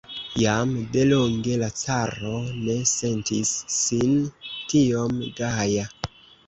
Jam de longe la caro ne sentis sin tiom gaja.